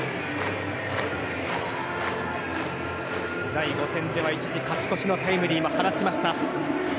第５戦では一時、勝ち越しのタイムリーも放ちました。